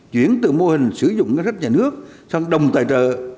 chuyển từ mô hình sử dụng ngân sách nhà nước sang đồng tài trợ